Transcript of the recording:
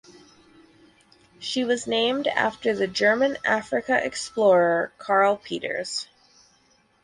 She was named after the German Africa explorer Carl Peters.